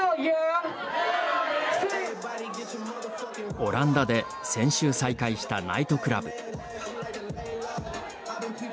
オランダで先週再開したナイトクラブ。